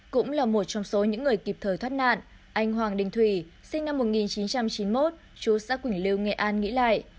cũng là một trong số những người kịp thời thoát nạn anh hoàng đình thủy sinh năm một nghìn chín trăm chín mươi một chú xã quỳnh lưu nghệ an nghĩ lại